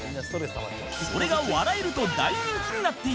それが笑えると大人気になっている